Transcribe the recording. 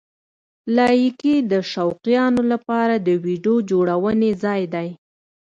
لایکي د شوقیانو لپاره د ویډیو جوړونې ځای دی.